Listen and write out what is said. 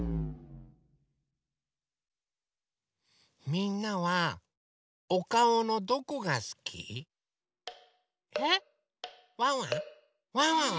みんなはおかおのどこがすき？えっ？ワンワン？ワンワン